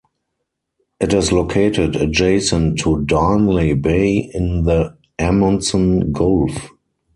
It is located adjacent to Darnley Bay, in the Amundsen Gulf.